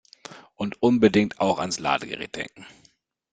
Und unbedingt auch ans Ladegerät denken!